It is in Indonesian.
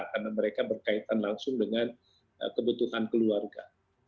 karena mereka berkaitan langsung dengan kebutuhan keluarga